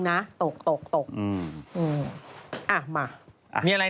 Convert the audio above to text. อ้าวมา